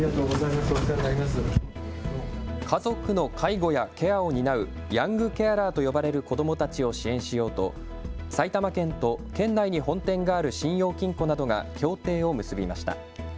家族の介護やケアを担うヤングケアラーと呼ばれる子どもたちを支援しようと埼玉県と県内に本店がある信用金庫などが協定を結びました。